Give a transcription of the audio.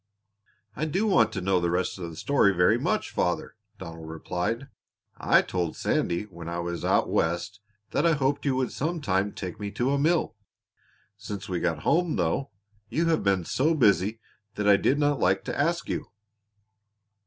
"I do want to know the rest of the story very much, father," Donald replied. "I told Sandy when I was out West that I hoped you would some time take me to a mill. Since we got home, though, you have been so busy that I did not like to ask you."